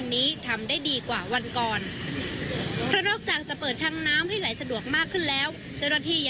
และก็จระประดาษแล้วเนี่ย